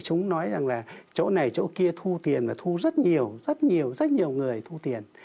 chúng nói rằng là chỗ này chỗ kia thu tiền là thu rất nhiều rất nhiều rất nhiều người thu tiền